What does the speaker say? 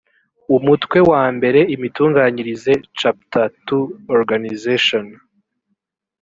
umutwe wa mbere imitunganyirize chapter ii organization